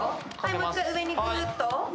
もう一回上にぐっと。